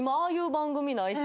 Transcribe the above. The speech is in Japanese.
番組ないし。